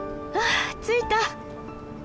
あ着いた！